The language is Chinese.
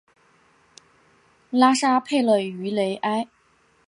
拉沙佩勒于雷埃。